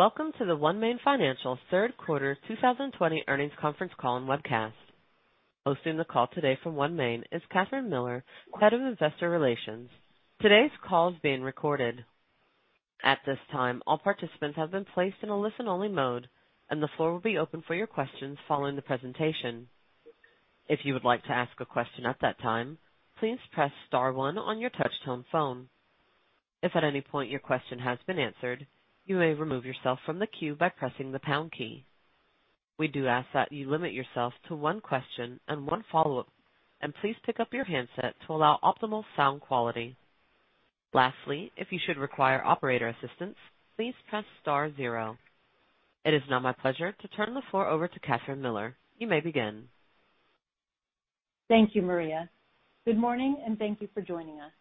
Welcome to the OneMain Financial third quarter 2020 earnings conference call and webcast. Hosting the call today from OneMain is Kathryn Miller, Head of Investor Relations. Today's call is being recorded. At this time, all participants have been placed in a listen-only mode, and the floor will be open for your questions following the presentation. If you would like to ask a question at that time, please press star one on your touch-tone phone. If at any point your question has been answered, you may remove yourself from the queue by pressing the pound key. We do ask that you limit yourself to one question and one follow-up, and please pick up your handset to allow optimal sound quality. Lastly, if you should require operator assistance, please press star zero. It is now my pleasure to turn the floor over to Kathryn Miller. You may begin. Thank you, Maria. Good morning, and thank you for joining us.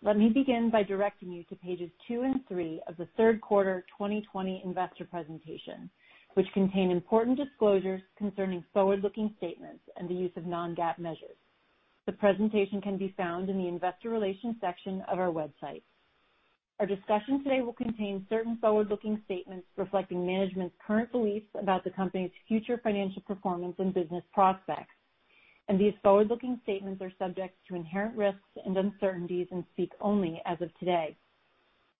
Let me begin by directing you to pages two and three of the third quarter 2020 investor presentation, which contain important disclosures concerning forward-looking statements and the use of non-GAAP measures. The presentation can be found in the investor relations section of our website. Our discussion today will contain certain forward-looking statements reflecting management's current beliefs about the company's future financial performance and business prospects, and these forward-looking statements are subject to inherent risks and uncertainties and speak only as of today.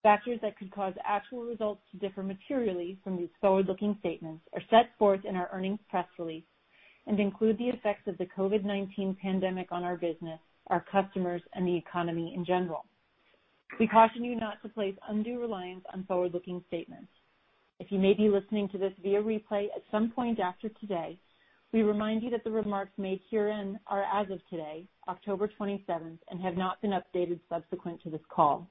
Factors that could cause actual results to differ materially from these forward-looking statements are set forth in our earnings press release and include the effects of the COVID-19 pandemic on our business, our customers, and the economy in general. We caution you not to place undue reliance on forward-looking statements. If you may be listening to this via replay at some point after today, we remind you that the remarks made herein are as of today, October 27th, and have not been updated subsequent to this call.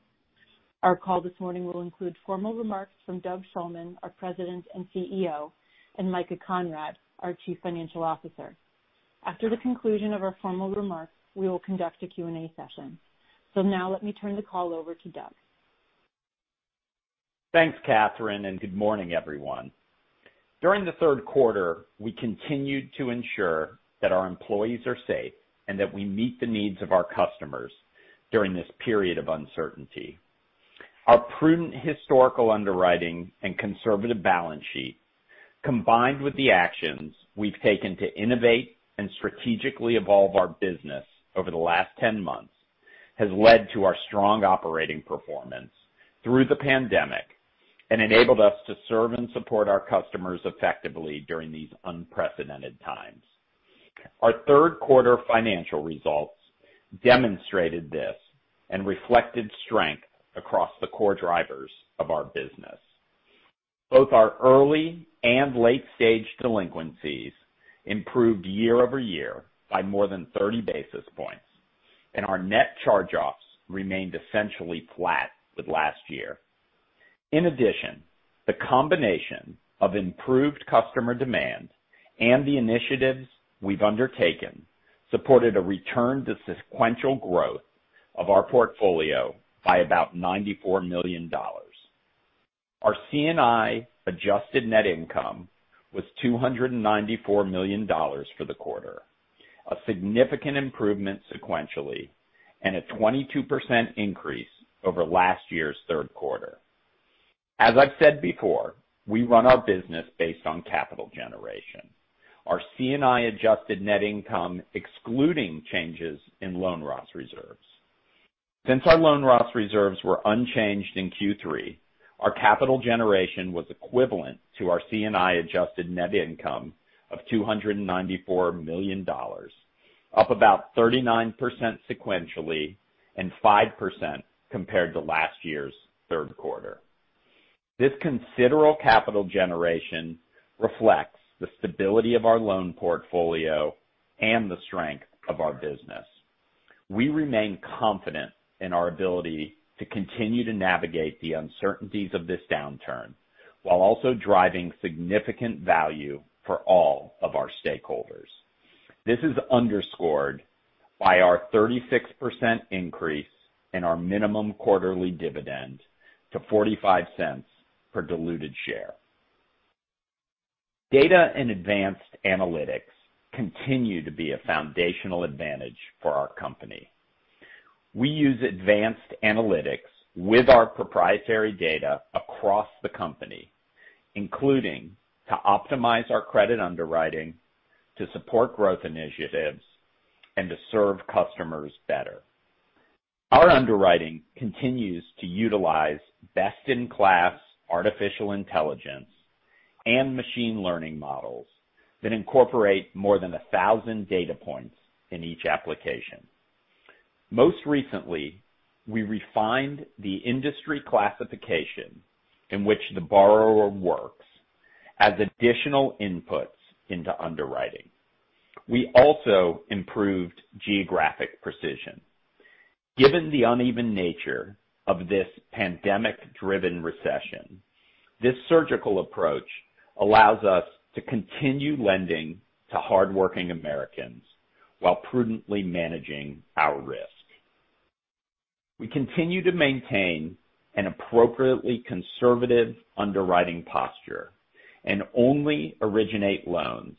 Our call this morning will include formal remarks from Doug Shulman, our President and CEO, and Micah Conrad, our Chief Financial Officer. After the conclusion of our formal remarks, we will conduct a Q&A session. So now let me turn the call over to Doug. Thanks, Kathryn, and good morning, everyone. During the third quarter, we continued to ensure that our employees are safe and that we meet the needs of our customers during this period of uncertainty. Our prudent historical underwriting and conservative balance sheet, combined with the actions we've taken to innovate and strategically evolve our business over the last 10 months, has led to our strong operating performance through the pandemic and enabled us to serve and support our customers effectively during these unprecedented times. Our third quarter financial results demonstrated this and reflected strength across the core drivers of our business. Both our early and late-stage delinquencies improved year-over-year by more than 30 basis points, and our net charge-offs remained essentially flat with last year. In addition, the combination of improved customer demand and the initiatives we've undertaken supported a return to sequential growth of our portfolio by about $94 million. Our C&I adjusted net income was $294 million for the quarter, a significant improvement sequentially and a 22% increase over last year's third quarter. As I've said before, we run our business based on capital generation. Our C&I adjusted net income excluding changes in loan loss reserves. Since our loan loss reserves were unchanged in Q3, our capital generation was equivalent to our C&I adjusted net income of $294 million, up about 39% sequentially and 5% compared to last year's third quarter. This considerable capital generation reflects the stability of our loan portfolio and the strength of our business. We remain confident in our ability to continue to navigate the uncertainties of this downturn while also driving significant value for all of our stakeholders. This is underscored by our 36% increase in our minimum quarterly dividend to $0.45 per diluted share. Data and advanced analytics continue to be a foundational advantage for our company. We use advanced analytics with our proprietary data across the company, including to optimize our credit underwriting, to support growth initiatives, and to serve customers better. Our underwriting continues to utilize best-in-class artificial intelligence and machine learning models that incorporate more than 1,000 data points in each application. Most recently, we refined the industry classification in which the borrower works as additional inputs into underwriting. We also improved geographic precision. Given the uneven nature of this pandemic-driven recession, this surgical approach allows us to continue lending to hardworking Americans while prudently managing our risk. We continue to maintain an appropriately conservative underwriting posture and only originate loans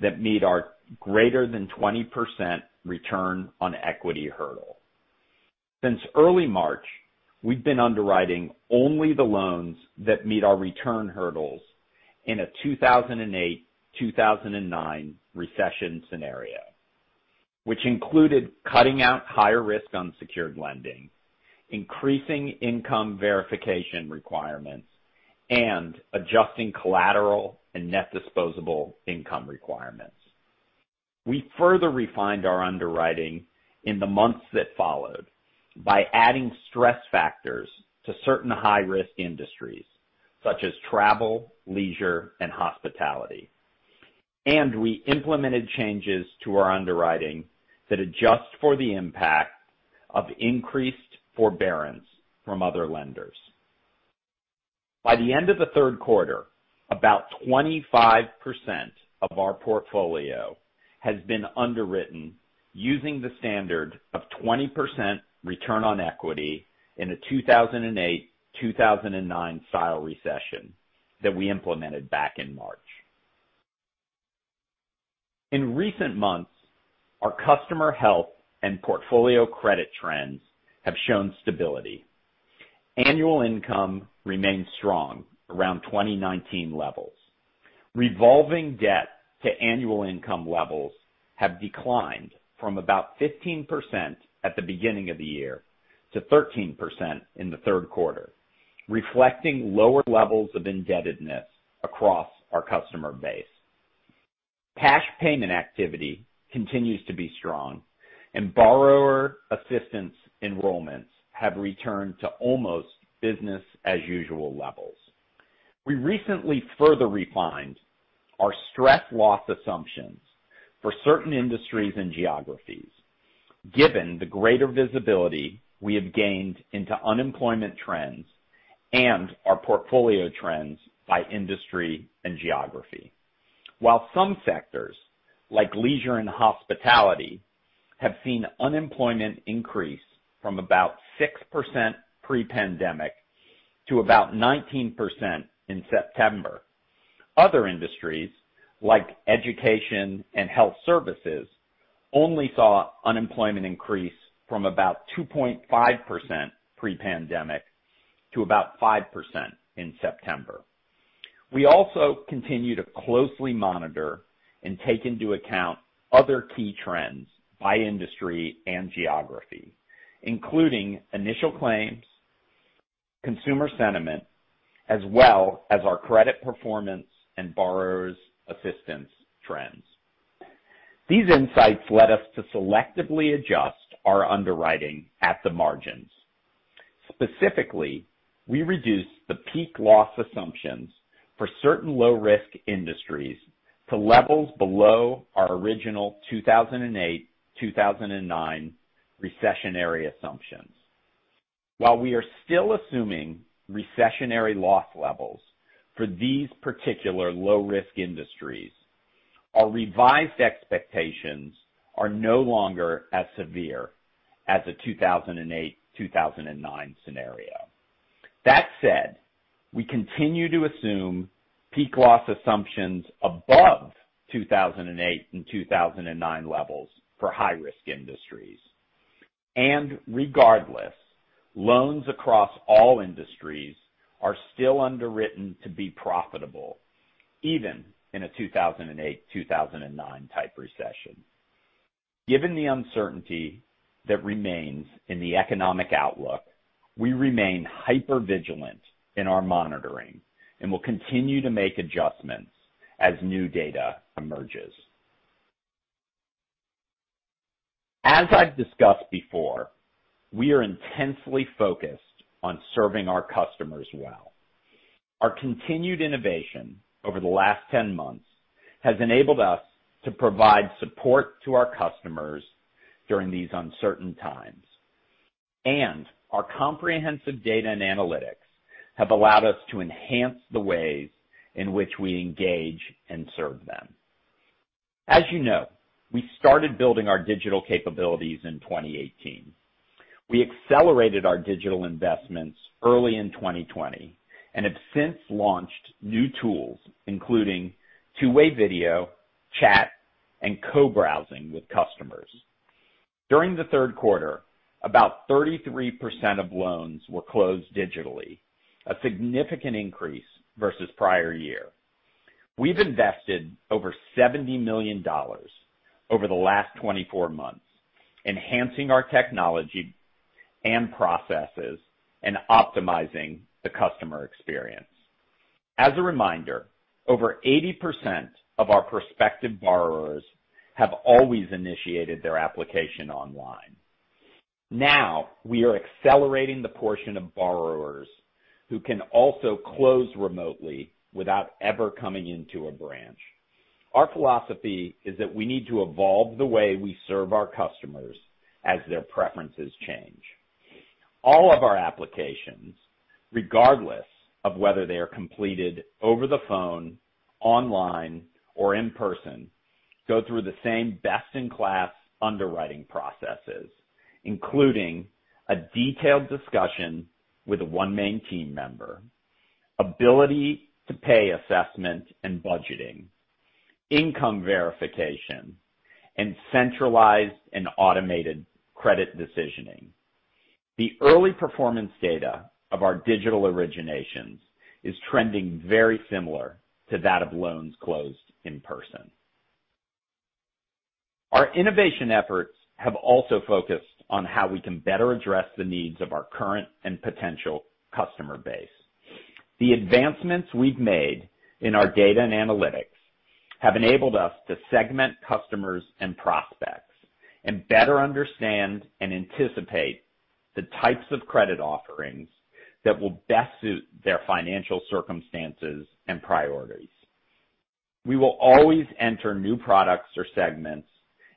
that meet our greater than 20% return on equity hurdle. Since early March, we've been underwriting only the loans that meet our return hurdles in a 2008-2009 recession scenario, which included cutting out higher risk unsecured lending, increasing income verification requirements, and adjusting collateral and net disposable income requirements. We further refined our underwriting in the months that followed by adding stress factors to certain high-risk industries such as travel, leisure, and hospitality, and we implemented changes to our underwriting that adjust for the impact of increased forbearance from other lenders. By the end of the third quarter, about 25% of our portfolio has been underwritten using the standard of 20% return on equity in a 2008-2009 style recession that we implemented back in March. In recent months, our customer health and portfolio credit trends have shown stability. Annual income remains strong around 2019 levels. Revolving debt to annual income levels have declined from about 15% at the beginning of the year to 13% in the third quarter, reflecting lower levels of indebtedness across our customer base. Cash payment activity continues to be strong, and borrower assistance enrollments have returned to almost business-as-usual levels. We recently further refined our stress loss assumptions for certain industries and geographies, given the greater visibility we have gained into unemployment trends and our portfolio trends by industry and geography. While some sectors, like leisure and hospitality, have seen unemployment increase from about 6% pre-pandemic to about 19% in September, other industries, like education and health services, only saw unemployment increase from about 2.5% pre-pandemic to about 5% in September. We also continue to closely monitor and take into account other key trends by industry and geography, including initial claims, consumer sentiment, as well as our credit performance and borrower assistance trends. These insights led us to selectively adjust our underwriting at the margins. Specifically, we reduced the peak loss assumptions for certain low-risk industries to levels below our original 2008-2009 recessionary assumptions. While we are still assuming recessionary loss levels for these particular low-risk industries, our revised expectations are no longer as severe as the 2008-2009 scenario. That said, we continue to assume peak loss assumptions above 2008 and 2009 levels for high-risk industries, and regardless, loans across all industries are still underwritten to be profitable, even in a 2008-2009 type recession. Given the uncertainty that remains in the economic outlook, we remain hyper-vigilant in our monitoring and will continue to make adjustments as new data emerges. As I've discussed before, we are intensely focused on serving our customers well. Our continued innovation over the last 10 months has enabled us to provide support to our customers during these uncertain times, and our comprehensive data and analytics have allowed us to enhance the ways in which we engage and serve them. As you know, we started building our digital capabilities in 2018. We accelerated our digital investments early in 2020 and have since launched new tools, including two-way video, chat, and co-browsing with customers. During the third quarter, about 33% of loans were closed digitally, a significant increase versus prior year. We've invested over $70 million over the last 24 months, enhancing our technology and processes and optimizing the customer experience. As a reminder, over 80% of our prospective borrowers have always initiated their application online. Now, we are accelerating the portion of borrowers who can also close remotely without ever coming into a branch. Our philosophy is that we need to evolve the way we serve our customers as their preferences change. All of our applications, regardless of whether they are completed over the phone, online, or in person, go through the same best-in-class underwriting processes, including a detailed discussion with a OneMain team member, ability-to-pay assessment and budgeting, income verification, and centralized and automated credit decisioning. The early performance data of our digital originations is trending very similar to that of loans closed in person. Our innovation efforts have also focused on how we can better address the needs of our current and potential customer base. The advancements we've made in our data and analytics have enabled us to segment customers and prospects and better understand and anticipate the types of credit offerings that will best suit their financial circumstances and priorities. We will always enter new products or segments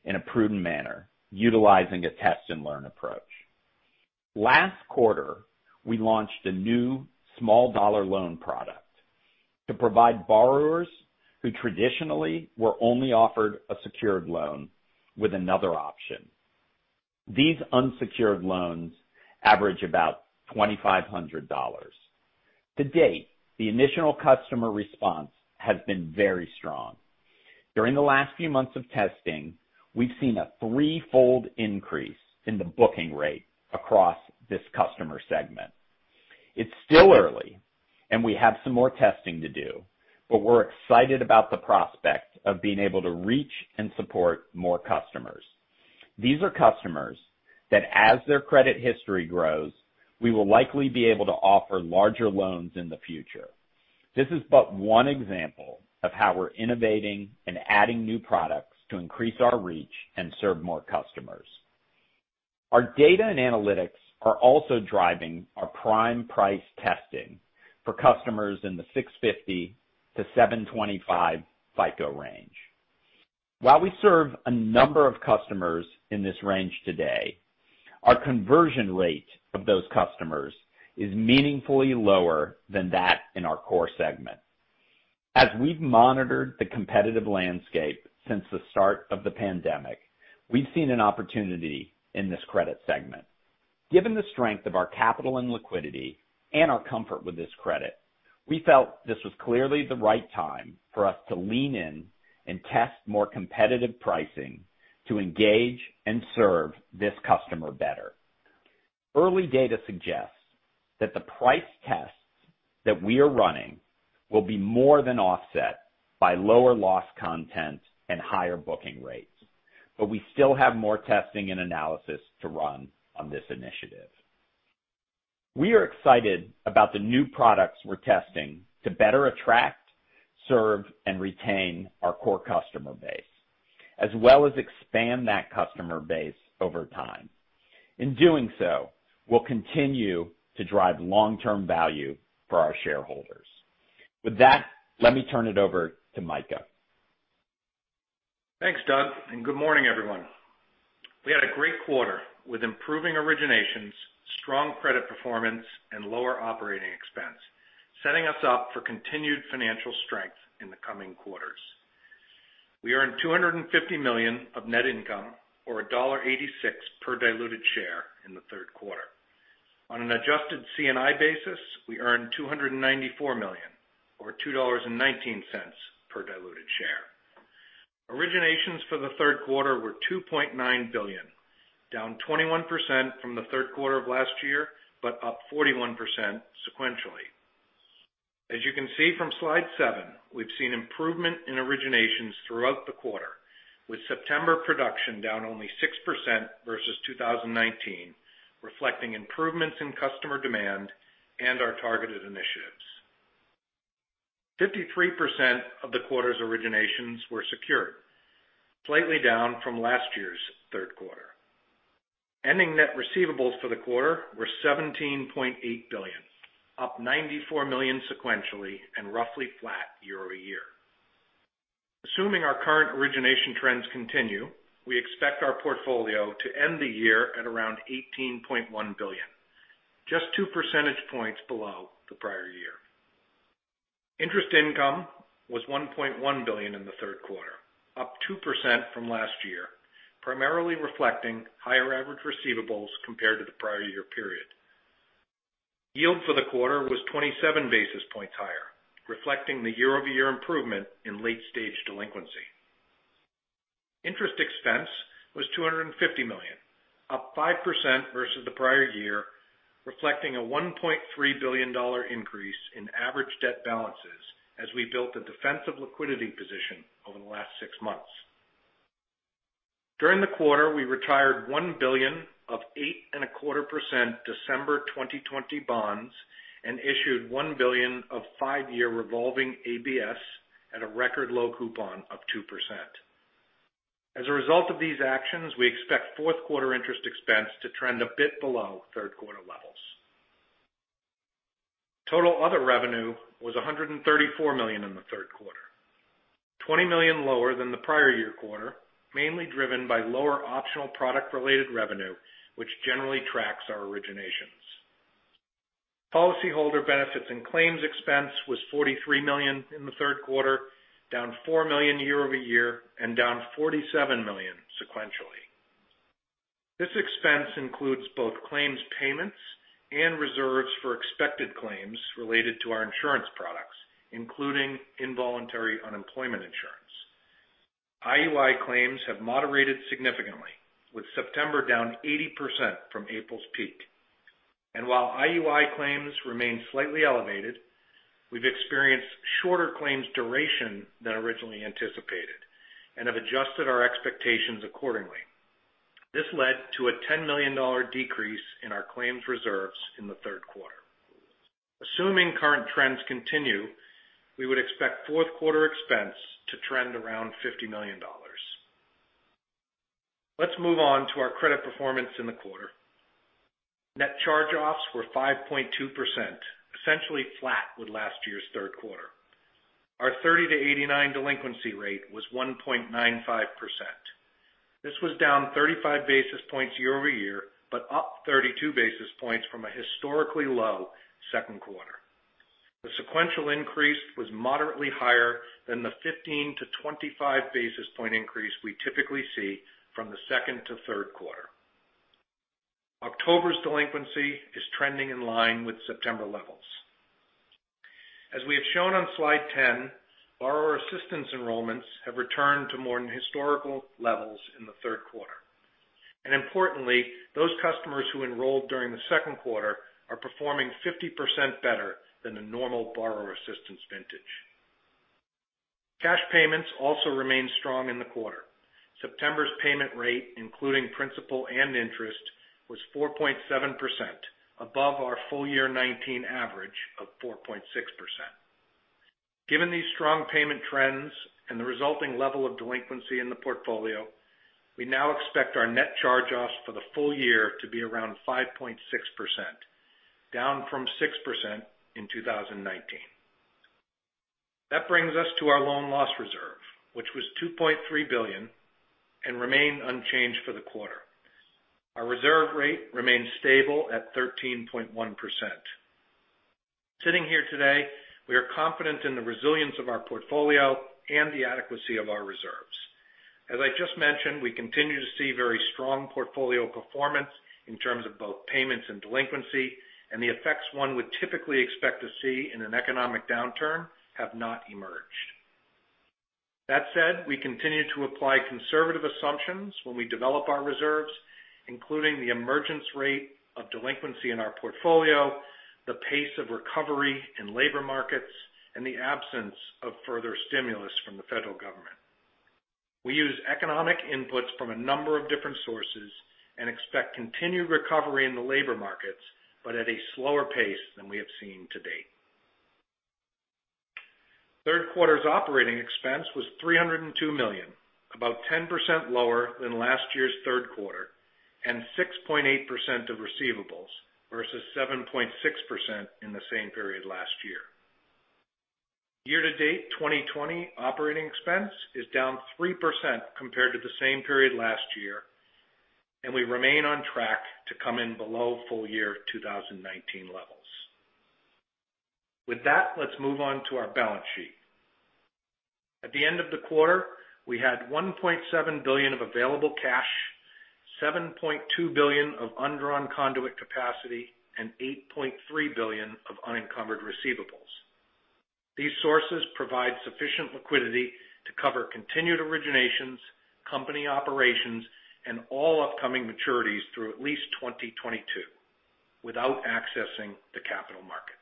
in a prudent manner, utilizing a test-and-learn approach. Last quarter, we launched a new small-dollar loan product to provide borrowers who traditionally were only offered a secured loan with another option. These unsecured loans average about $2,500. To date, the initial customer response has been very strong. During the last few months of testing, we've seen a threefold increase in the booking rate across this customer segment. It's still early, and we have some more testing to do, but we're excited about the prospect of being able to reach and support more customers. These are customers that, as their credit history grows, we will likely be able to offer larger loans in the future. This is but one example of how we're innovating and adding new products to increase our reach and serve more customers. Our data and analytics are also driving our prime price testing for customers in the 650-725 FICO range. While we serve a number of customers in this range today, our conversion rate of those customers is meaningfully lower than that in our core segment. As we've monitored the competitive landscape since the start of the pandemic, we've seen an opportunity in this credit segment. Given the strength of our capital and liquidity and our comfort with this credit, we felt this was clearly the right time for us to lean in and test more competitive pricing to engage and serve this customer better. Early data suggests that the price tests that we are running will be more than offset by lower loss content and higher booking rates, but we still have more testing and analysis to run on this initiative. We are excited about the new products we're testing to better attract, serve, and retain our core customer base, as well as expand that customer base over time. In doing so, we'll continue to drive long-term value for our shareholders. With that, let me turn it over to Micah. Thanks, Doug, and good morning, everyone. We had a great quarter with improving originations, strong credit performance, and lower operating expense, setting us up for continued financial strength in the coming quarters. We earned $250 million of net income, or $1.86 per diluted share, in the third quarter. On an adjusted C&I basis, we earned $294 million, or $2.19 per diluted share. Originations for the third quarter were $2.9 billion, down 21% from the third quarter of last year but up 41% sequentially. As you can see from slide seven, we've seen improvement in originations throughout the quarter, with September production down only 6% versus 2019, reflecting improvements in customer demand and our targeted initiatives. 53% of the quarter's originations were secured, slightly down from last year's third quarter. Ending net receivables for the quarter were $17.8 billion, up $94 million sequentially and roughly flat year over year. Assuming our current origination trends continue, we expect our portfolio to end the year at around $18.1 billion, just two percentage points below the prior year. Interest income was $1.1 billion in the third quarter, up 2% from last year, primarily reflecting higher average receivables compared to the prior year period. Yield for the quarter was 27 basis points higher, reflecting the year-over-year improvement in late-stage delinquency. Interest expense was $250 million, up 5% versus the prior year, reflecting a $1.3 billion increase in average debt balances as we built a defensive liquidity position over the last six months. During the quarter, we retired $1 billion of 8.25% December 2020 bonds and issued $1 billion of five-year revolving ABS at a record low coupon of 2%. As a result of these actions, we expect fourth quarter interest expense to trend a bit below third quarter levels. Total other revenue was $134 million in the third quarter, $20 million lower than the prior year quarter, mainly driven by lower optional product-related revenue, which generally tracks our originations. Policyholder benefits and claims expense was $43 million in the third quarter, down $4 million year-over-year and down $47 million sequentially. This expense includes both claims payments and reserves for expected claims related to our insurance products, including involuntary unemployment insurance. IUI claims have moderated significantly, with September down 80% from April's peak. And while IUI claims remain slightly elevated, we've experienced shorter claims duration than originally anticipated and have adjusted our expectations accordingly. This led to a $10 million decrease in our claims reserves in the third quarter. Assuming current trends continue, we would expect fourth quarter expense to trend around $50 million. Let's move on to our credit performance in the quarter. Net charge-offs were 5.2%, essentially flat with last year's third quarter. Our 30 to 89 delinquency rate was 1.95%. This was down 35 basis points year over year but up 32 basis points from a historically low second quarter. The sequential increase was moderately higher than the 15-25 basis point increase we typically see from the second to third quarter. October's delinquency is trending in line with September levels. As we have shown on slide 10, borrower assistance enrollments have returned to more than historical levels in the third quarter. And importantly, those customers who enrolled during the second quarter are performing 50% better than the normal borrower assistance vintage. Cash payments also remained strong in the quarter. September's payment rate, including principal and interest, was 4.7%, above our full year 2019 average of 4.6%. Given these strong payment trends and the resulting level of delinquency in the portfolio, we now expect our net charge-offs for the full year to be around 5.6%, down from 6% in 2019. That brings us to our loan loss reserve, which was $2.3 billion and remained unchanged for the quarter. Our reserve rate remained stable at 13.1%. Sitting here today, we are confident in the resilience of our portfolio and the adequacy of our reserves. As I just mentioned, we continue to see very strong portfolio performance in terms of both payments and delinquency, and the effects one would typically expect to see in an economic downturn have not emerged. That said, we continue to apply conservative assumptions when we develop our reserves, including the emergence rate of delinquency in our portfolio, the pace of recovery in labor markets, and the absence of further stimulus from the federal government. We use economic inputs from a number of different sources and expect continued recovery in the labor markets, but at a slower pace than we have seen to date. Third quarter's operating expense was $302 million, about 10% lower than last year's third quarter, and 6.8% of receivables versus 7.6% in the same period last year. Year-to-date 2020 operating expense is down 3% compared to the same period last year, and we remain on track to come in below full year 2019 levels. With that, let's move on to our balance sheet. At the end of the quarter, we had $1.7 billion of available cash, $7.2 billion of undrawn conduit capacity, and $8.3 billion of unencumbered receivables. These sources provide sufficient liquidity to cover continued originations, company operations, and all upcoming maturities through at least 2022 without accessing the capital markets.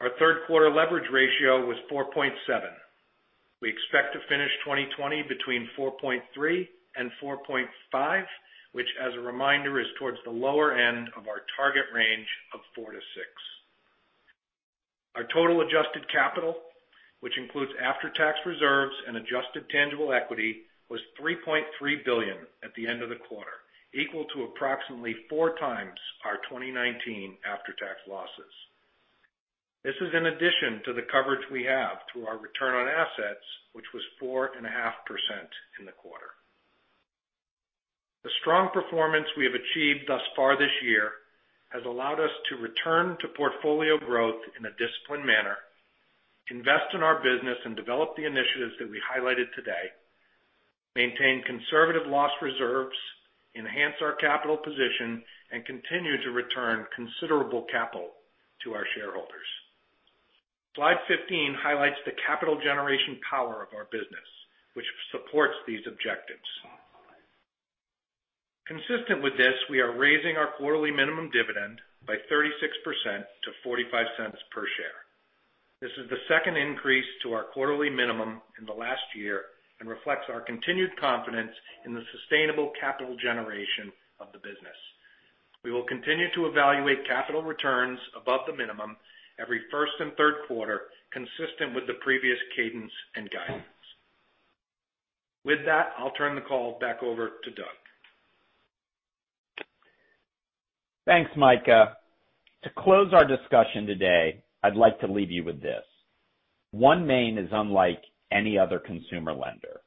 Our third quarter leverage ratio was 4.7. We expect to finish 2020 between 4.3-4.5, which, as a reminder, is towards the lower end of our target range of 4-6. Our total adjusted capital, which includes after-tax reserves and adjusted tangible equity, was $3.3 billion at the end of the quarter, equal to approximately four times our 2019 after-tax losses. This is in addition to the coverage we have through our return on assets, which was 4.5% in the quarter. The strong performance we have achieved thus far this year has allowed us to return to portfolio growth in a disciplined manner, invest in our business, and develop the initiatives that we highlighted today, maintain conservative loss reserves, enhance our capital position, and continue to return considerable capital to our shareholders. Slide 15 highlights the capital generation power of our business, which supports these objectives. Consistent with this, we are raising our quarterly minimum dividend by 36% to $0.45 per share. This is the second increase to our quarterly minimum in the last year and reflects our continued confidence in the sustainable capital generation of the business. We will continue to evaluate capital returns above the minimum every first and third quarter, consistent with the previous cadence and guidance. With that, I'll turn the call back over to Doug. Thanks, Micah. To close our discussion today, I'd like to leave you with this: OneMain is unlike any other consumer lender.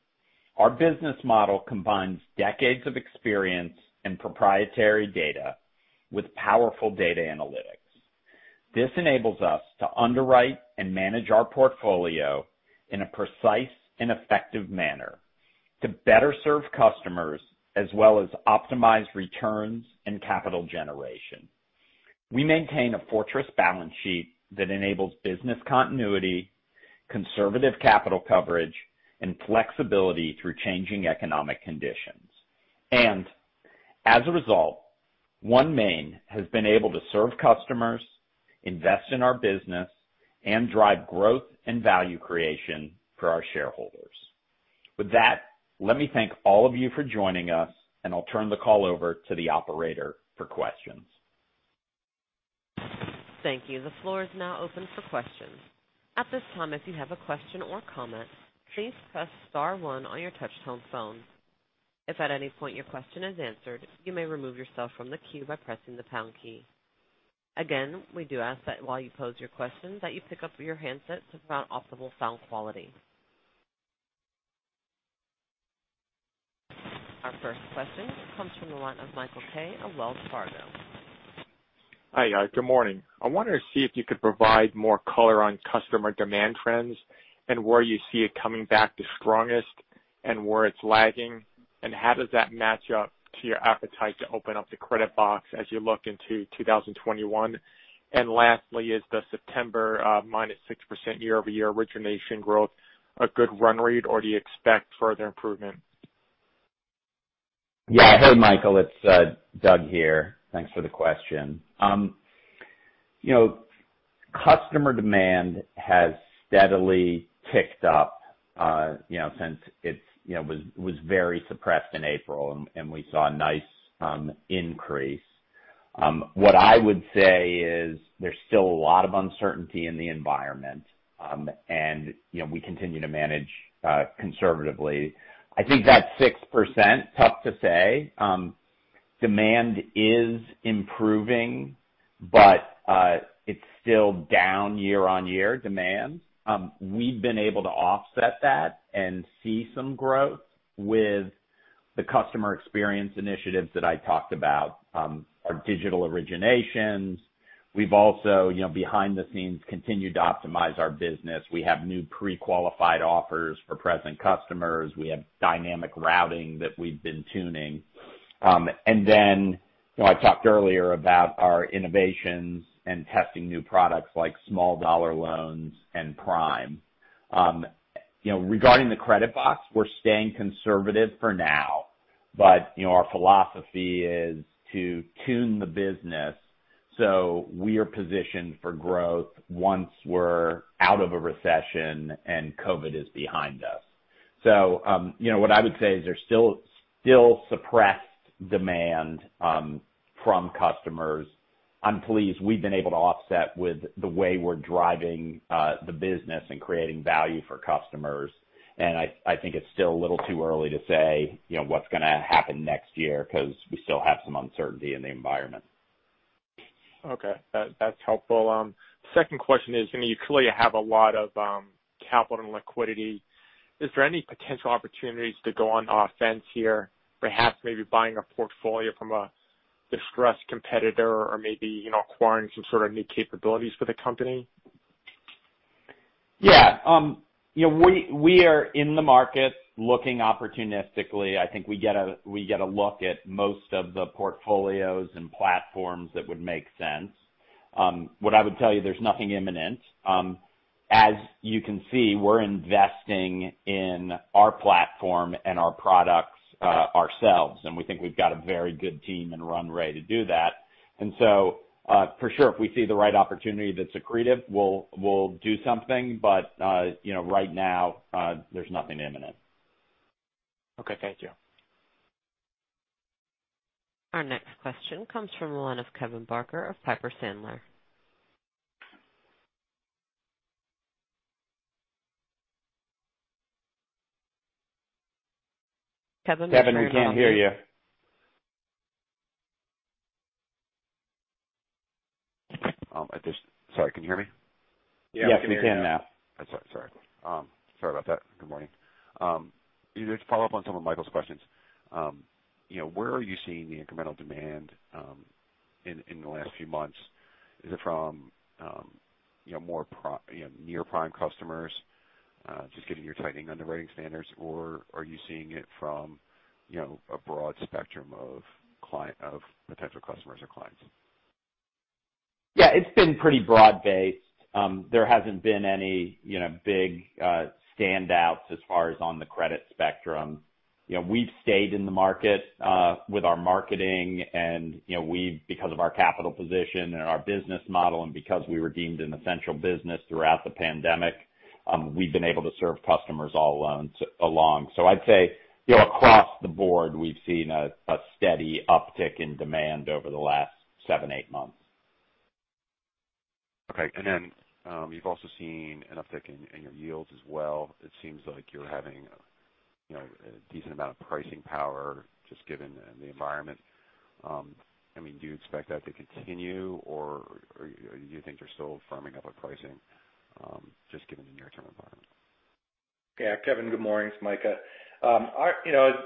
Our business model combines decades of experience and proprietary data with powerful data analytics. This enables us to underwrite and manage our portfolio in a precise and effective manner to better serve customers as well as optimize returns and capital generation. We maintain a fortress balance sheet that enables business continuity, conservative capital coverage, and flexibility through changing economic conditions. And as a result, OneMain has been able to serve customers, invest in our business, and drive growth and value creation for our shareholders. With that, let me thank all of you for joining us, and I'll turn the call over to the operator for questions. Thank you. The floor is now open for questions. At this time, if you have a question or comment, please press star one on your touch-tone phone. If at any point your question is answered, you may remove yourself from the queue by pressing the pound key. Again, we do ask that while you pose your questions, that you pick up your handset to provide optimal sound quality. Our first question comes from the line of Michael Kaye of Wells Fargo. Hi, good morning. I wanted to see if you could provide more color on customer demand trends and where you see it coming back the strongest and where it's lagging, and how does that match up to your appetite to open up the credit box as you look into 2021? And lastly, is the September -6% year-over-year origination growth a good run rate, or do you expect further improvement? Yeah, hey, Michael. It's Doug here. Thanks for the question. Customer demand has steadily ticked up since it was very suppressed in April, and we saw a nice increase. What I would say is there's still a lot of uncertainty in the environment, and we continue to manage conservatively. I think that 6%, tough to say. Demand is improving, but it's still down year-on-year demand. We've been able to offset that and see some growth with the customer experience initiatives that I talked about, our digital originations. We've also, behind the scenes, continued to optimize our business. We have new pre-qualified offers for present customers. We have dynamic routing that we've been tuning. And then I talked earlier about our innovations and testing new products like small dollar loans and prime. Regarding the credit box, we're staying conservative for now, but our philosophy is to tune the business so we are positioned for growth once we're out of a recession and COVID is behind us. So what I would say is there's still suppressed demand from customers. I'm pleased we've been able to offset with the way we're driving the business and creating value for customers. And I think it's still a little too early to say what's going to happen next year because we still have some uncertainty in the environment. Okay. That's helpful. Second question is, you clearly have a lot of capital and liquidity. Is there any potential opportunities to go on offense here, perhaps maybe buying a portfolio from a distressed competitor or maybe acquiring some sort of new capabilities for the company? Yeah. We are in the market looking opportunistically. I think we get a look at most of the portfolios and platforms that would make sense. What I would tell you, there's nothing imminent. As you can see, we're investing in our platform and our products ourselves, and we think we've got a very good team and runway to do that. And so for sure, if we see the right opportunity that's accretive, we'll do something. But right now, there's nothing imminent. Okay. Thank you. Our next question comes from the line of Kevin Barker of Piper Sandler. Kevin, we can't hear you. Kevin, we can't hear you. Sorry, can you hear me? Yeah. Yes, we can now. Sorry about that. Good morning. Just to follow up on some of Michael's questions. Where are you seeing the incremental demand in the last few months? Is it from more near prime customers, just getting your tightening underwriting standards, or are you seeing it from a broad spectrum of potential customers or clients? Yeah. It's been pretty broad-based. There hasn't been any big standouts as far as on the credit spectrum. We've stayed in the market with our marketing, and because of our capital position and our business model and because we were deemed an essential business throughout the pandemic, we've been able to serve customers all along. So I'd say across the board, we've seen a steady uptick in demand over the last seven, eight months. Okay. And then you've also seen an uptick in your yields as well. It seems like you're having a decent amount of pricing power just given the environment. I mean, do you expect that to continue, or do you think you're still firming up a pricing just given the near-term environment? Yeah. Kevin, good morning. It's Micah.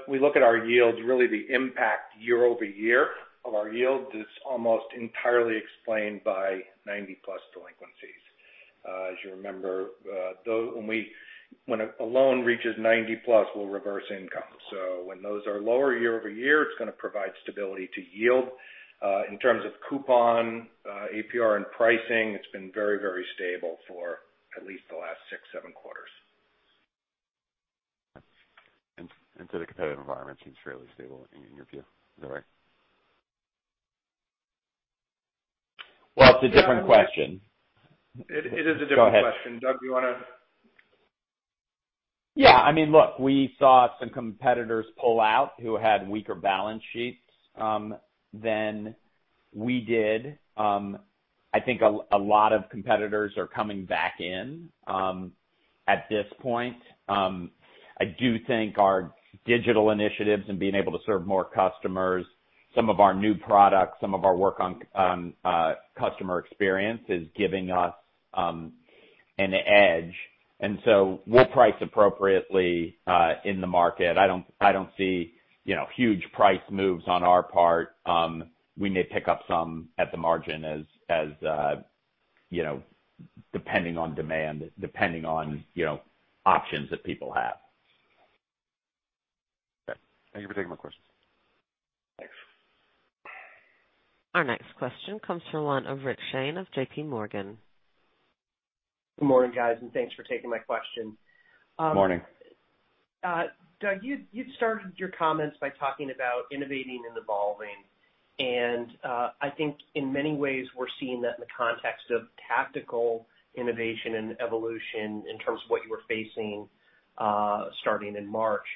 We look at our yields. Really, the impact year over year of our yield, it's almost entirely explained by 90-plus delinquencies. As you remember, when a loan reaches 90-plus, we'll reverse income. So when those are lower year over year, it's going to provide stability to yield. In terms of coupon, APR, and pricing, it's been very, very stable for at least the last six, seven quarters. And so the competitive environment seems fairly stable in your view, is that right? Well, it's a different question. It is a different question. Doug, do you want to? Yeah. I mean, look, we saw some competitors pull out who had weaker balance sheets than we did. I think a lot of competitors are coming back in at this point. I do think our digital initiatives and being able to serve more customers, some of our new products, some of our work on customer experience is giving us an edge. And so we'll price appropriately in the market. I don't see huge price moves on our part. We may pick up some at the margin depending on demand, depending on options that people have. Okay. Thank you for taking my questions. Thanks. Our next question comes from the line of Rick Shane of J.P. Morgan. Good morning, guys, and thanks for taking my question. Good morning. Doug, you'd started your comments by talking about innovating and evolving. And I think in many ways, we're seeing that in the context of tactical innovation and evolution in terms of what you were facing starting in March.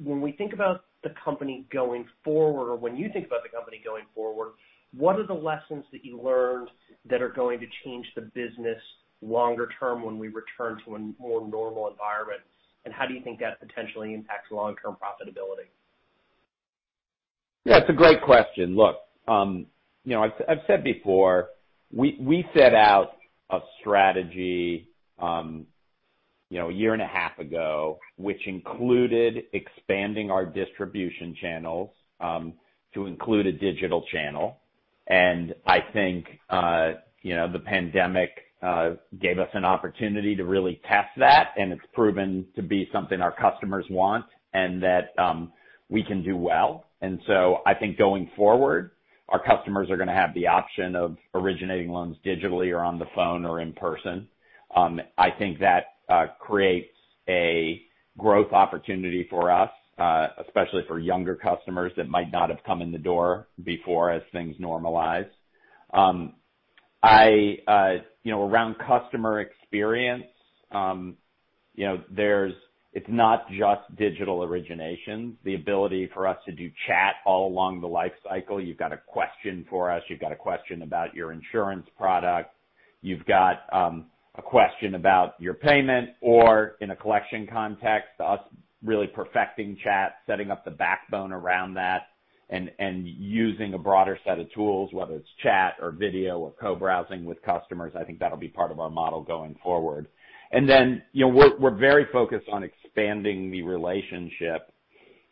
When we think about the company going forward, or when you think about the company going forward, what are the lessons that you learned that are going to change the business longer term when we return to a more normal environment? And how do you think that potentially impacts long-term profitability? Yeah. It's a great question. Look, I've said before, we set out a strategy a year and a half ago, which included expanding our distribution channels to include a digital channel. I think the pandemic gave us an opportunity to really test that, and it's proven to be something our customers want and that we can do well. So I think going forward, our customers are going to have the option of originating loans digitally or on the phone or in person. I think that creates a growth opportunity for us, especially for younger customers that might not have come in the door before as things normalize. Around customer experience, it's not just digital originations. The ability for us to do chat all along the life cycle. You've got a question for us. You've got a question about your insurance product. You've got a question about your payment. Or in a collection context, us really perfecting chat, setting up the backbone around that, and using a broader set of tools, whether it's chat or video or co-browsing with customers. I think that'll be part of our model going forward, and then we're very focused on expanding the relationship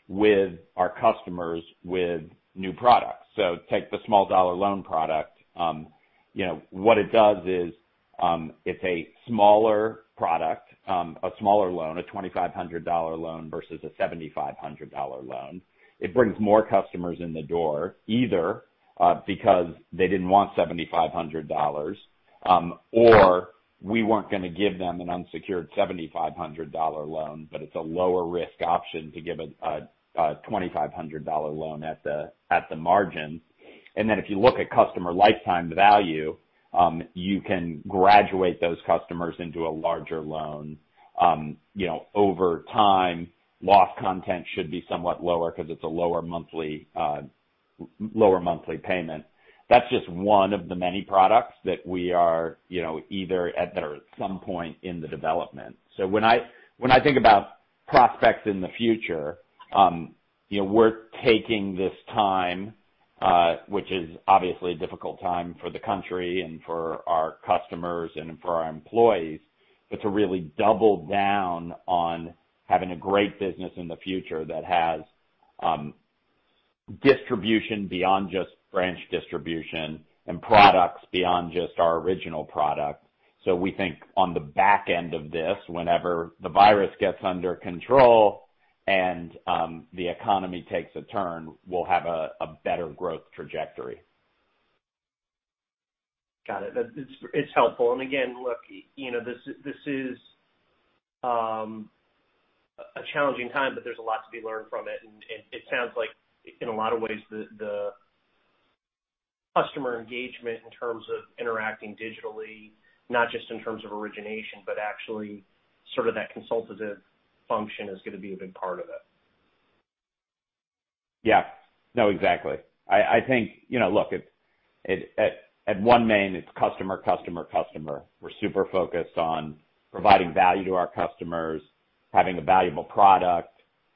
with our customers with new products, so take the small dollar loan product. What it does is it's a smaller product, a smaller loan, a $2,500 loan versus a $7,500 loan. It brings more customers in the door, either because they didn't want $7,500 or we weren't going to give them an unsecured $7,500 loan, but it's a lower-risk option to give a $2,500 loan at the margin, and then if you look at customer lifetime value, you can graduate those customers into a larger loan. Over time, loss content should be somewhat lower because it's a lower monthly payment. That's just one of the many products that we are either at or at some point in the development. So when I think about prospects in the future, we're taking this time, which is obviously a difficult time for the country and for our customers and for our employees, but to really double down on having a great business in the future that has distribution beyond just branch distribution and products beyond just our original product. So we think on the back end of this, whenever the virus gets under control and the economy takes a turn, we'll have a better growth trajectory. Got it. It's helpful. And again, look, this is a challenging time, but there's a lot to be learned from it. And it sounds like in a lot of ways, the customer engagement in terms of interacting digitally, not just in terms of origination, but actually sort of that consultative function is going to be a big part of it. Yeah. No, exactly. I think, look, at OneMain, it's customer, customer, customer. We're super focused on providing value to our customers, having a valuable product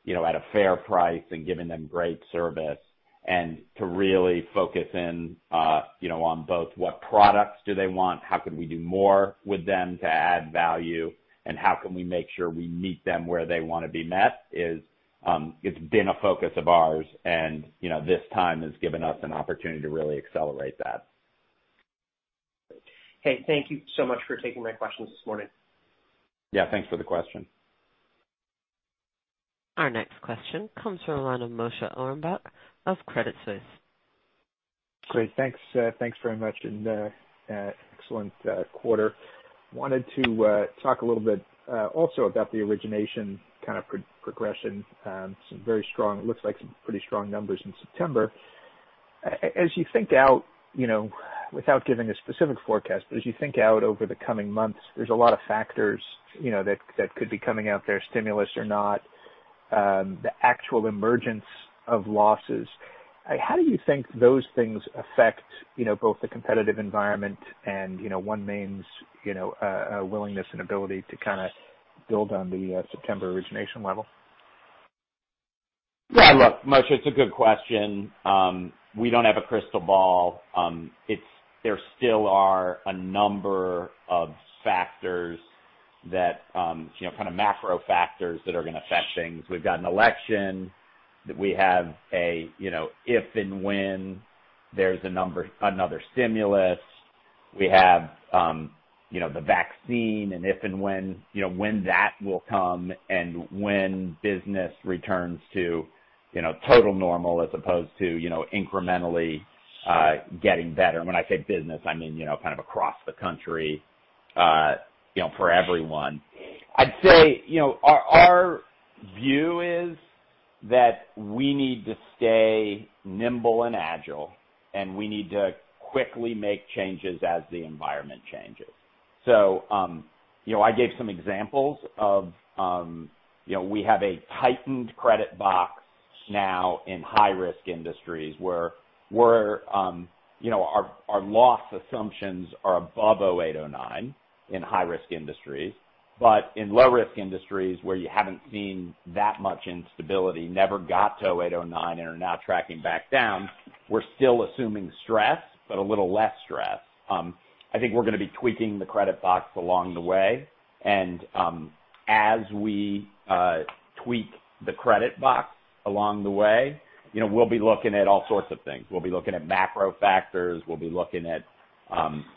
at a fair price, and giving them great service. And to really focus in on both what products do they want, how could we do more with them to add value, and how can we make sure we meet them where they want to be met, it's been a focus of ours. And this time has given us an opportunity to really accelerate that. Hey, thank you so much for taking my questions this morning. Yeah. Thanks for the question. Our next question comes from the line of Moshe Orenbuch of Credit Suisse. Great. Thanks very much and excellent quarter. Wanted to talk a little bit also about the origination kind of progression. Some very strong, looks like some pretty strong numbers in September. As you think out, without giving a specific forecast, but as you think out over the coming months, there's a lot of factors that could be coming out there, stimulus or not, the actual emergence of losses. How do you think those things affect both the competitive environment and OneMain's willingness and ability to kind of build on the September origination level? Yeah. Look, Moshe, it's a good question. We don't have a crystal ball. There still are a number of factors that kind of macro factors that are going to affect things. We've got an election. We have a if and when there's another stimulus. We have the vaccine and if and when that will come and when business returns to total normal as opposed to incrementally getting better. And when I say business, I mean kind of across the country for everyone. I'd say our view is that we need to stay nimble and agile, and we need to quickly make changes as the environment changes, so I gave some examples of we have a tightened credit box now in high-risk industries where our loss assumptions are above 2008-2009 in high-risk industries, but in low-risk industries where you haven't seen that much instability, never got to 2008-2009 and are now tracking back down, we're still assuming stress, but a little less stress. I think we're going to be tweaking the credit box along the way, and as we tweak the credit box along the way, we'll be looking at all sorts of things. We'll be looking at macro factors. We'll be looking at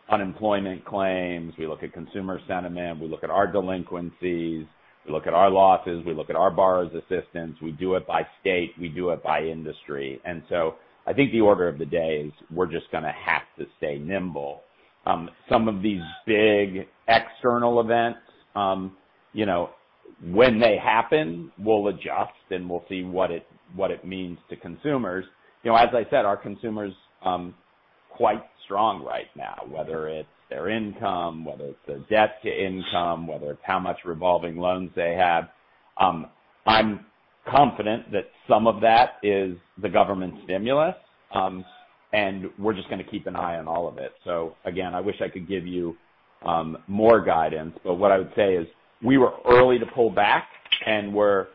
unemployment claims. We look at consumer sentiment. We look at our delinquencies. We look at our losses. We look at our borrowers' assistance. We do it by state. We do it by industry, and so I think the order of the day is we're just going to have to stay nimble. Some of these big external events, when they happen, we'll adjust, and we'll see what it means to consumers. As I said, our consumers are quite strong right now, whether it's their income, whether it's their debt to income, whether it's how much revolving loans they have. I'm confident that some of that is the government stimulus, and we're just going to keep an eye on all of it, so again, I wish I could give you more guidance, but what I would say is we were early to pull back, and our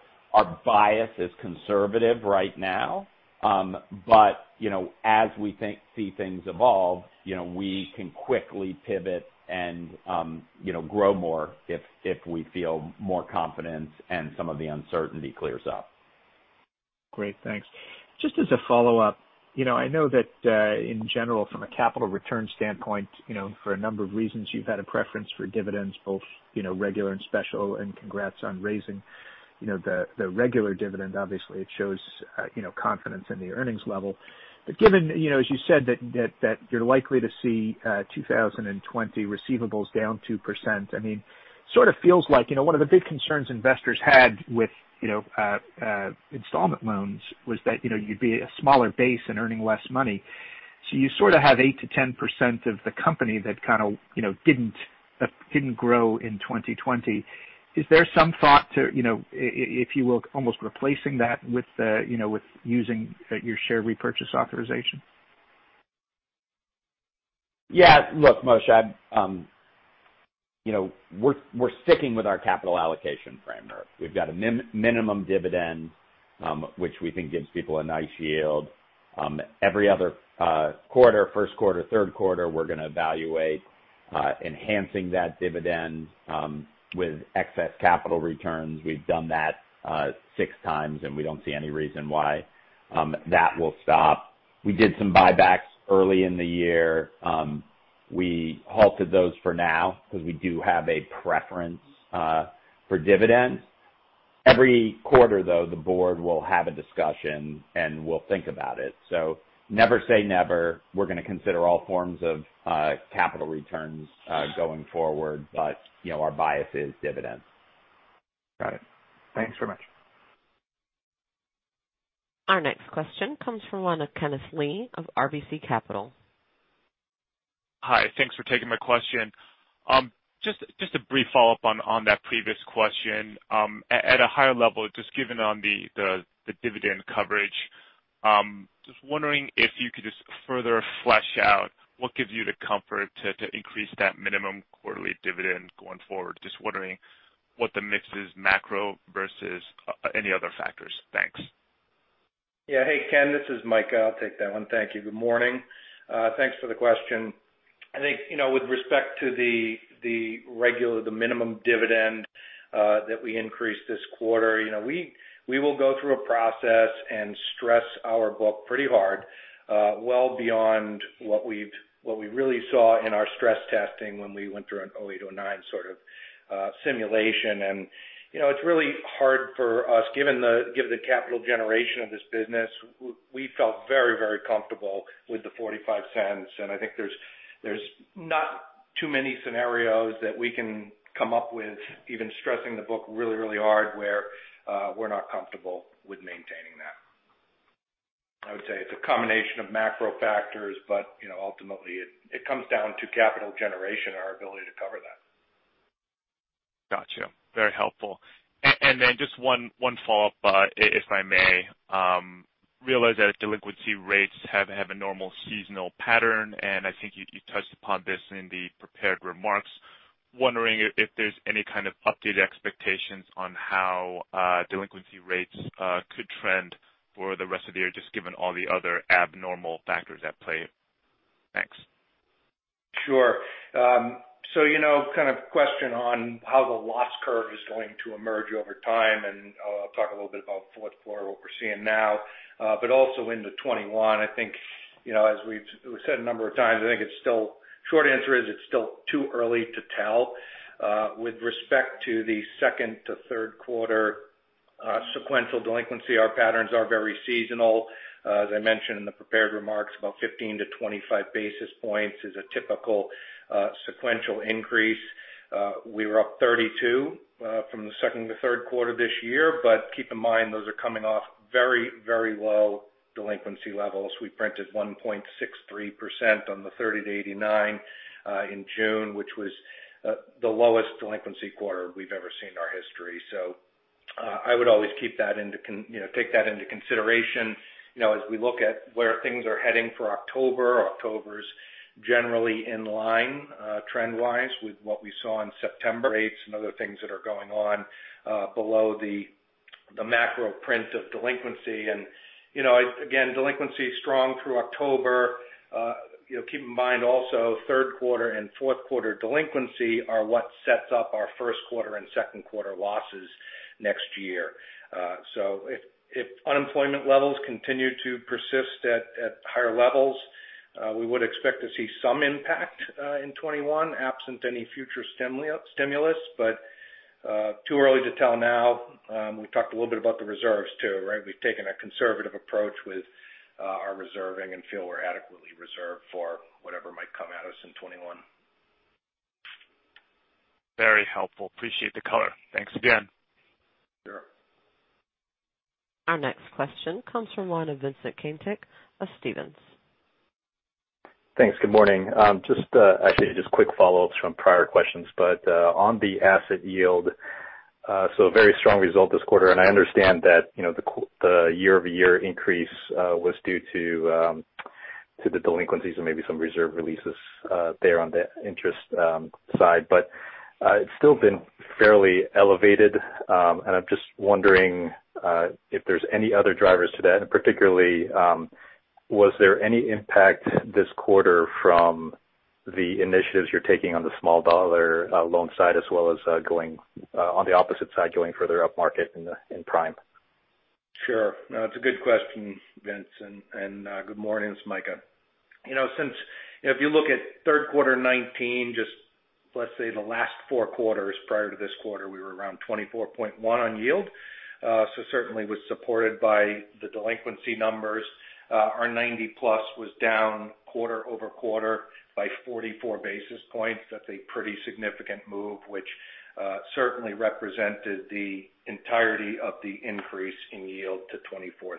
bias is conservative right now, but as we see things evolve, we can quickly pivot and grow more if we feel more confident and some of the uncertainty clears up. Great. Thanks. Just as a follow-up, I know that in general, from a capital return standpoint, for a number of reasons, you've had a preference for dividends, both regular and special, and congrats on raising the regular dividend. Obviously, it shows confidence in the earnings level, but given, as you said, that you're likely to see 2020 receivables down 2%, I mean, sort of feels like one of the big concerns investors had with installment loans was that you'd be a smaller base and earning less money, so you sort of have 8%-10% of the company that kind of didn't grow in 2020. Is there some thought to, if you will, almost replacing that with using your share repurchase authorization? Yeah. Look, Moshe, we're sticking with our capital allocation framework. We've got a minimum dividend, which we think gives people a nice yield. Every other quarter, first quarter, third quarter, we're going to evaluate enhancing that dividend with excess capital returns. We've done that six times, and we don't see any reason why that will stop. We did some buybacks early in the year. We halted those for now because we do have a preference for dividends. Every quarter, though, the board will have a discussion, and we'll think about it. So never say never. We're going to consider all forms of capital returns going forward, but our bias is dividends. Got it. Thanks very much. Our next question comes from Kenneth Lee of RBC Capital. Hi. Thanks for taking my question. Just a brief follow-up on that previous question. At a higher level, just given on the dividend coverage, just wondering if you could just further flesh out what gives you the comfort to increase that minimum quarterly dividend going forward. Just wondering what the mix is, macro versus any other factors. Thanks. Yeah. Hey, Ken, this is Micah. I'll take that one. Thank you. Good morning. Thanks for the question. I think with respect to the minimum dividend that we increased this quarter, we will go through a process and stress our book pretty hard, well beyond what we really saw in our stress testing when we went through a 2008-2009 sort of simulation. And it's really hard for us, given the capital generation of this business. We felt very, very comfortable with the $0.45. And I think there's not too many scenarios that we can come up with, even stressing the book really, really hard, where we're not comfortable with maintaining that. I would say it's a combination of macro factors, but ultimately, it comes down to capital generation and our ability to cover that. Gotcha. Very helpful. And then just one follow-up, if I may. I realize that delinquency rates have a normal seasonal pattern, and I think you touched upon this in the prepared remarks. Wondering if there's any kind of updated expectations on how delinquency rates could trend for the rest of the year, just given all the other abnormal factors at play. Thanks. Sure. So kind of question on how the loss curve is going to emerge over time, and I'll talk a little bit about fourth quarter, what we're seeing now, but also into 2021. I think, as we've said a number of times, I think it's still short answer is it's still too early to tell. With respect to the second to third quarter sequential delinquency, our patterns are very seasonal. As I mentioned in the prepared remarks, about 15 to 25 basis points is a typical sequential increase. We were up 32 from the second to third quarter this year, but keep in mind those are coming off very, very low delinquency levels. We printed 1.63% on the 30 to 89 in June, which was the lowest delinquency quarter we've ever seen in our history. So I would always keep that in, take that into consideration as we look at where things are heading for October. October's generally in line trend-wise with what we saw in September. Rates and other things that are going on below the macro print of delinquency. And again, delinquency is strong through October. Keep in mind also third quarter and fourth quarter delinquency are what sets up our first quarter and second quarter losses next year. So if unemployment levels continue to persist at higher levels, we would expect to see some impact in 2021, absent any future stimulus. But too early to tell now. We talked a little bit about the reserves too, right? We've taken a conservative approach with our reserving and feel we're adequately reserved for whatever might come at us in 2021. Very helpful. Appreciate the color. Thanks again. Sure. Our next question comes from Vincent Caintic of Stephens. Thanks. Good morning. Just actually just quick follow-ups from prior questions, but on the asset yield, so very strong result this quarter. And I understand that the year-over-year increase was due to the delinquencies and maybe some reserve releases there on the interest side, but it's still been fairly elevated. And I'm just wondering if there's any other drivers to that. And particularly, was there any impact this quarter from the initiatives you're taking on the small dollar loan side as well as going on the opposite side, going further up market in prime? Sure. No, that's a good question, Vince, and good morning, Micah. Since if you look at third quarter 2019, just let's say the last four quarters prior to this quarter, we were around 24.1 on yield. So certainly was supported by the delinquency numbers. Our 90 plus was down quarter over quarter by 44 basis points. That's a pretty significant move, which certainly represented the entirety of the increase in yield to 24.3,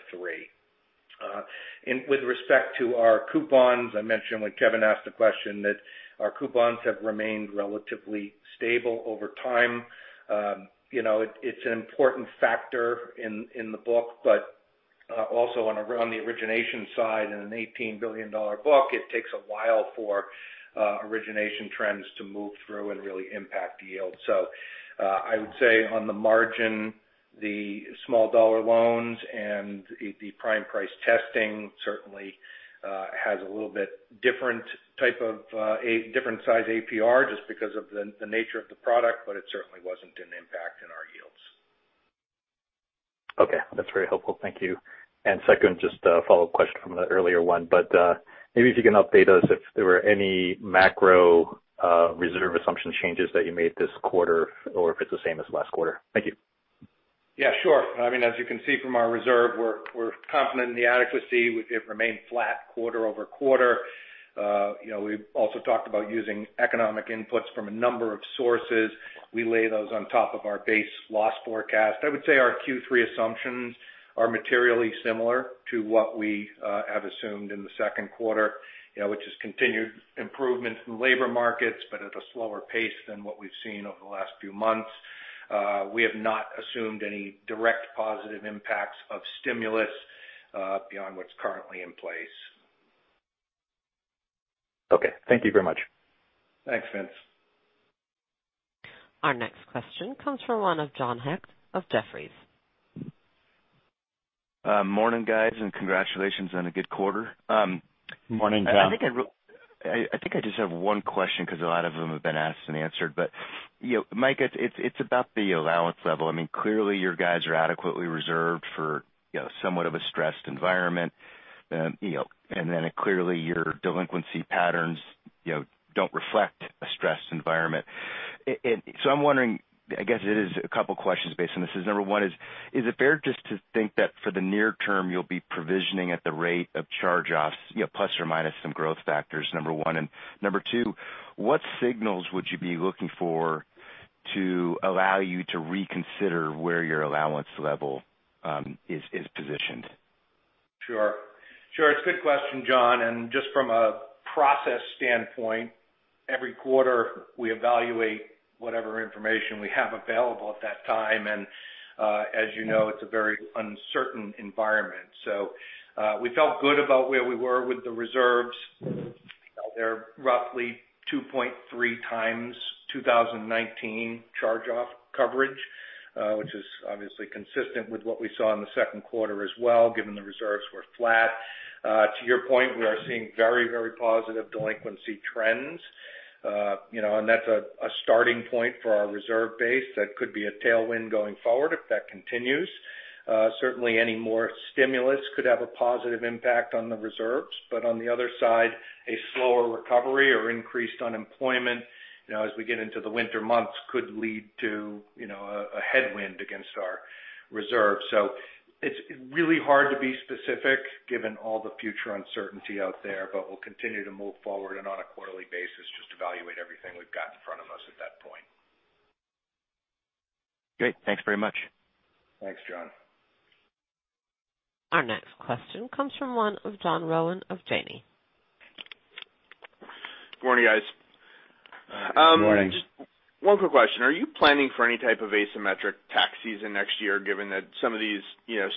and with respect to our coupons, I mentioned when Kevin asked the question that our coupons have remained relatively stable over time. It's an important factor in the book, but also on the origination side in an $18 billion book, it takes a while for origination trends to move through and really impact yield. So, I would say on the margin, the small dollar loans and the prime price testing certainly has a little bit different type of different size APR just because of the nature of the product, but it certainly wasn't an impact in our yields. Okay. That's very helpful. Thank you. And second, just a follow-up question from the earlier one, but maybe if you can update us if there were any macro reserve assumption changes that you made this quarter or if it's the same as last quarter. Thank you. Yeah. Sure. I mean, as you can see from our reserve, we're confident in the adequacy. It remained flat quarter over quarter. We also talked about using economic inputs from a number of sources. We lay those on top of our base loss forecast. I would say our Q3 assumptions are materially similar to what we have assumed in the second quarter, which is continued improvement in labor markets, but at a slower pace than what we've seen over the last few months. We have not assumed any direct positive impacts of stimulus beyond what's currently in place. Okay. Thank you very much. Thanks, Vince. Our next question comes from John Hecht of Jefferies. Morning, guys, and congratulations on a good quarter. Morning, John. I think I just have one question because a lot of them have been asked and answered, but Micah, it's about the allowance level. I mean, clearly your guys are adequately reserved for somewhat of a stressed environment, and then clearly your delinquency patterns don't reflect a stressed environment. So I'm wondering, I guess it is a couple of questions based on this. Number one is, is it fair just to think that for the near term you'll be provisioning at the rate of charge-offs plus or minus some growth factors, number one? And number two, what signals would you be looking for to allow you to reconsider where your allowance level is positioned? Sure. Sure. It's a good question, John. And just from a process standpoint, every quarter we evaluate whatever information we have available at that time. And as you know, it's a very uncertain environment. So we felt good about where we were with the reserves. They're roughly 2.3 times 2019 charge-off coverage, which is obviously consistent with what we saw in the second quarter as well, given the reserves were flat. To your point, we are seeing very, very positive delinquency trends, and that's a starting point for our reserve base that could be a tailwind going forward if that continues. Certainly, any more stimulus could have a positive impact on the reserves, but on the other side, a slower recovery or increased unemployment as we get into the winter months could lead to a headwind against our reserves. So it's really hard to be specific given all the future uncertainty out there, but we'll continue to move forward and on a quarterly basis just evaluate everything we've got in front of us at that point. Great. Thanks very much. Thanks, John. Our next question comes from analyst John Rowan of Janney Montgomery Scott. Good morning, guys. Good morning. Just one quick question. Are you planning for any type of asymmetric tax season next year, given that some of these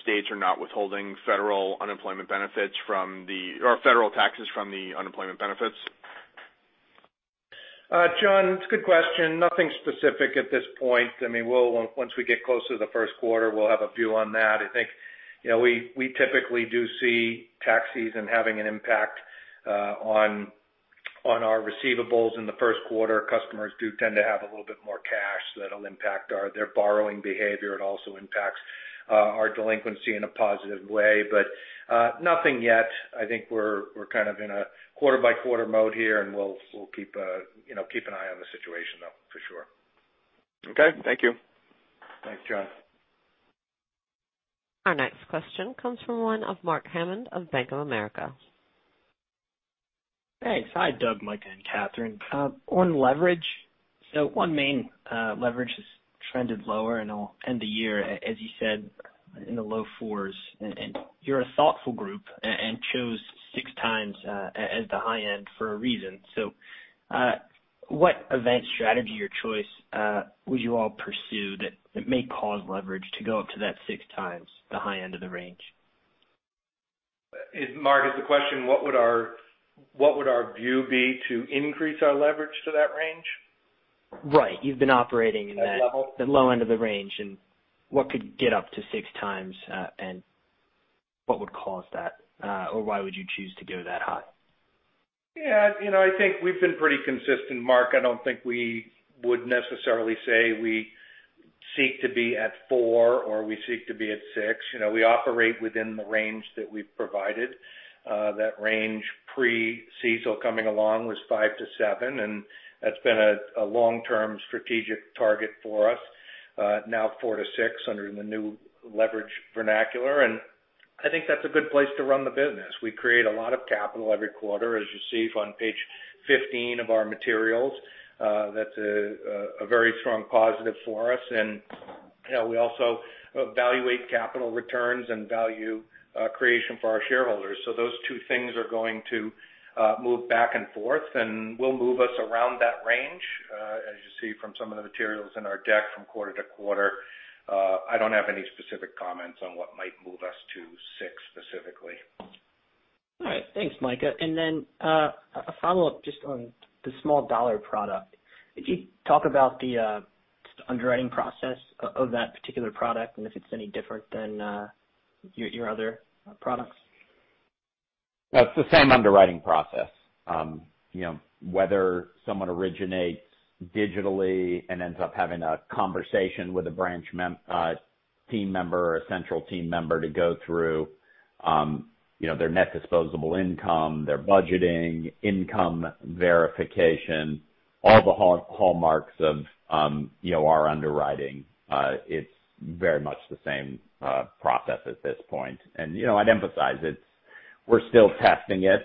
states are not withholding federal unemployment benefits, or federal taxes from the unemployment benefits? John, it's a good question. Nothing specific at this point. I mean, once we get closer to the first quarter, we'll have a view on that. I think we typically do see tax season having an impact on our receivables in the first quarter. Customers do tend to have a little bit more cash that'll impact their borrowing behavior. It also impacts our delinquency in a positive way, but nothing yet. I think we're kind of in a quarter-by-quarter mode here, and we'll keep an eye on the situation, though, for sure. Okay. Thank you. Thanks, John. Our next question comes from Mark Hammond of Bank of America. Thanks. Hi, Doug, Micah, and Kathryn. On leverage, so OneMain leverage has trended lower, and it'll end the year, as you said, in the low fours. You're a thoughtful group and chose six times as the high end for a reason. So what event strategy or choice would you all pursue that may cause leverage to go up to that six times the high end of the range? Mark, the question, what would our view be to increase our leverage to that range? Right. You've been operating in that low end of the range, and what could get up to six times, and what would cause that, or why would you choose to go that high? Yeah. I think we've been pretty consistent, Mark. I don't think we would necessarily say we seek to be at four or we seek to be at six. We operate within the range that we've provided. That range pre-CECL coming along was five-seven, and that's been a long-term strategic target for us, now four-six under the new leverage vernacular. And I think that's a good place to run the business. We create a lot of capital every quarter, as you see on page 15 of our materials. That's a very strong positive for us. And we also evaluate capital returns and value creation for our shareholders. So those two things are going to move back and forth, and we'll move us around that range, as you see from some of the materials in our deck from quarter to quarter. I don't have any specific comments on what might move us to six specifically. All right. Thanks, Micah, and then a follow-up just on the small dollar product. Could you talk about the underwriting process of that particular product and if it's any different than your other products? It's the same underwriting process, whether someone originates digitally and ends up having a conversation with a branch team member or a central team member to go through their net disposable income, their budgeting, income verification, all the hallmarks of our underwriting. It's very much the same process at this point. And I'd emphasize that we're still testing it.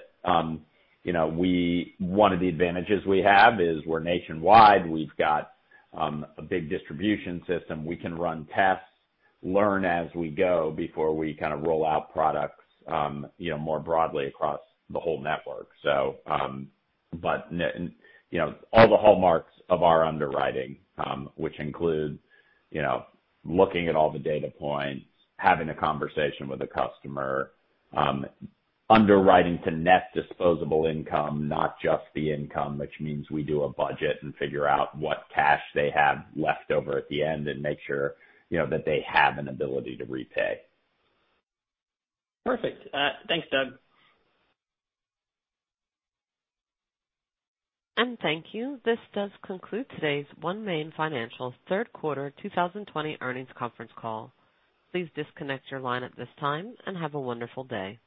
One of the advantages we have is we're nationwide. We've got a big distribution system. We can run tests, learn as we go before we kind of roll out products more broadly across the whole network. But all the hallmarks of our underwriting, which include looking at all the data points, having a conversation with a customer, underwriting to net disposable income, not just the income, which means we do a budget and figure out what cash they have left over at the end and make sure that they have an ability to repay. Perfect. Thanks, Doug. And thank you. This does conclude today's OneMain Financial third quarter 2020 earnings conference call. Please disconnect your line at this time and have a wonderful day.